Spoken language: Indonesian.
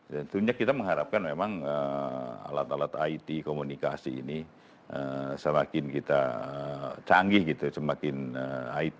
tentunya kita mengharapkan memang alat alat it komunikasi ini semakin kita canggih gitu semakin it